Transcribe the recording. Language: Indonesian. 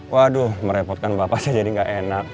waduh merepotkan bapak saya jadi gak enak